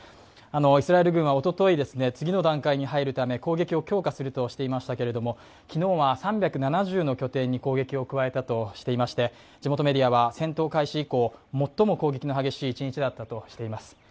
イスラエル軍はおととい次の段階に入るため、攻撃を強化するとしていましたけれども、昨日は３７０の拠点に攻撃を加えたとしていまして地元メディアは戦闘開始以降最も攻撃の激しい一日だったとしています。